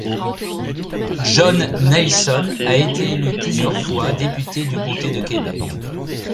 John Neilson a été élu plusieurs fois député du comté de Québec.